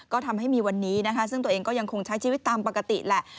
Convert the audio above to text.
ก็ทำให้มีวันนี้นะคะซึ่งตัวเองก็ยังคงใช้ชีวิตตามปกติแหละ